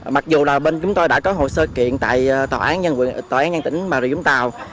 mặc dù là bên chúng tôi đã có hồ sơ kiện tại tòa án nhân tỉnh bà rịa vũng tàu